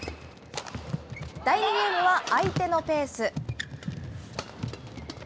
第２ゲームは、相手のペース。